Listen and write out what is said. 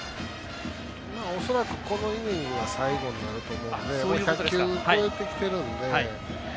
恐らくこのイニングが最後になると思うので１００球を超えてきているので。